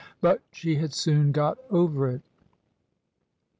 But she had soon got over it.